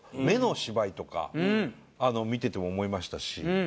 目の芝居とか見てても思いましたし。